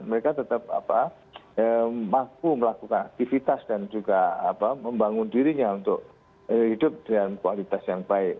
mereka tetap mampu melakukan aktivitas dan juga membangun dirinya untuk hidup dengan kualitas yang baik